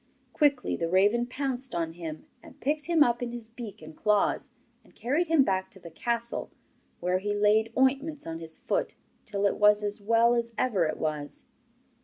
Quickly the raven pounced on him, and picked him up in his beak and claws, and carried him back to the castle, where he laid ointments on his foot till it was as well as ever it was.